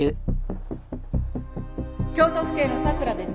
京都府警の佐倉です。